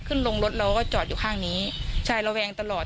ขึ้นลงรถเราก็จอดอยู่ข้างนี้ใช่ระแวงตลอด